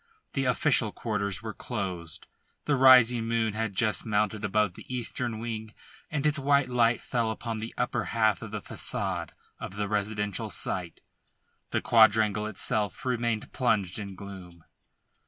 The official quarters were closed. The rising moon had just mounted above the eastern wing and its white light fell upon the upper half of the facade of the residential site. The quadrangle itself remained plunged in gloom.